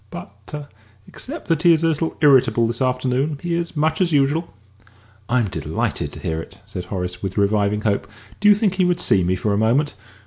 But except that he is a little irritable this afternoon he is much as usual." "I'm delighted to hear it," said Horace, with reviving hope. "Do you think he would see me for a moment?"